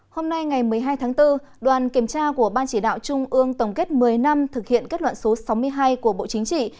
hôm nay ngày một mươi hai tháng bốn đoàn kiểm tra của ban chỉ đạo trung ương tổng kết một mươi năm thực hiện kết luận số sáu mươi hai của bộ chính trị